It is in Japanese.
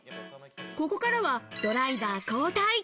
ここからはドライバー交代。